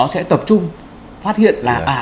sẽ tập trung phát hiện là